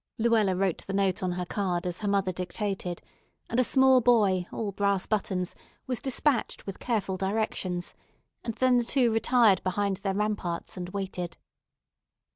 Luella wrote the note on her card as her mother dictated, and a small boy all brass buttons was despatched with careful directions; and then the two retired behind their ramparts, and waited.